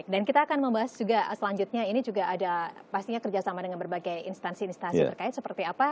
dan kita akan membahas juga selanjutnya ini juga ada pastinya kerjasama dengan berbagai instansi instansi terkait seperti apa